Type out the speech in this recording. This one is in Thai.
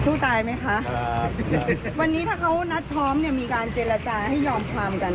สู้ตายไหมคะวันนี้ถ้าเขานัดพร้อมเนี่ยมีการเจรจาให้ยอมความกัน